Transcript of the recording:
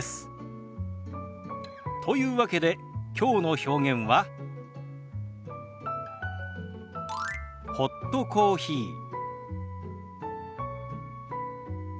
というわけできょうの表現は「ホットコーヒー」。